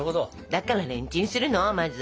だからレンチンするのまず。